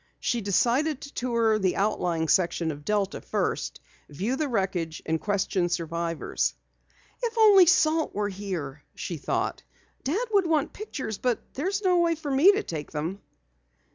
She decided to tour the outlying section of Delta first, view the wreckage and question survivors. "If only Salt were here!" she thought. "Dad would want pictures, but there's no way for me to take them."